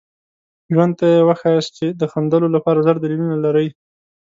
ژوند ته یې وښایاست چې د خندلو لپاره زر دلیلونه لرئ.